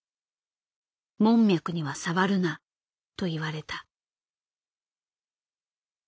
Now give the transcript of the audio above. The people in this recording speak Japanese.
「門脈には触るな」と言われた。